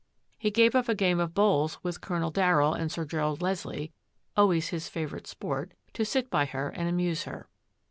He gave up a game of bowls with Col onel Darryll and Sir Gerald Leslie — always his favourite sport — to sit by her and amuse her.